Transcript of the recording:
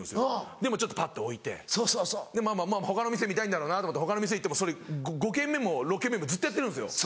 でもちょっとパッて置いて他の店見たいんだろうと思って他の店行っても５軒目も６軒目もずっとやってるんですよ。